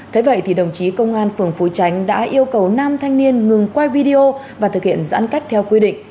thế vậy thì đồng chí công an phường phú tránh đã yêu cầu nam thanh niên ngừng quay video và thực hiện giãn cách theo quy định